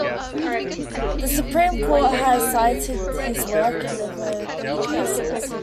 The Supreme Court has cited his work in over thirty cases.